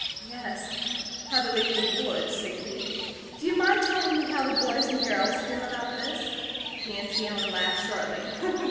"Yes, I believe we would," said Kate. "Do you mind telling me how the boys and girls feel about this?" Nancy Ellen laughed shortly.